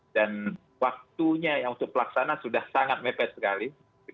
dan waktunya yang untuk pelaksana sudah sangat mepet sekali